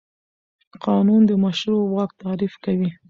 قانون د مشروع واک تعریف کوي.